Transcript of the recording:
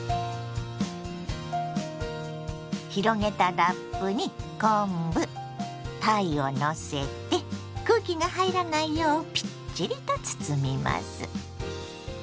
広げたラップに昆布たいをのせて空気が入らないようぴっちりと包みます。